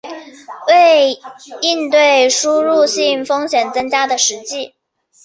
为应对输入性风险增加的实际